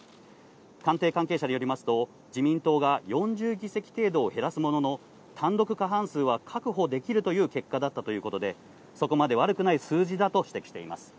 官邸関係者よりますと、自民党が４０議席程度を減らすものの、単独過半数を確保できる結果だったということでそこまで悪くない数字だと指摘しています。